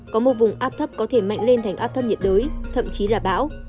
có một vùng áp thấp có thể mạnh lên thành áp thấp nhiệt đới thậm chí là bão